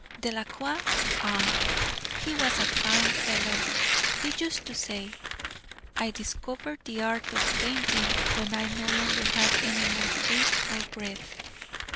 Delacroix ah! he was a fine fellow he used to say: "I discovered the art of painting when I no longer had any more teeth or breath."